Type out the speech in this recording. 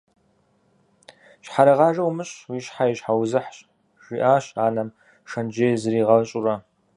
«Щхьэрыгъажэ умыщӏ, уи щхьэ и щхьэузыхьщ», - жиӏащ анэм, шэнтжьейм зригъэщӏурэ.